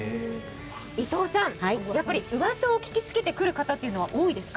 伊藤さん、うわさを聞きつけてくる人って多いですか？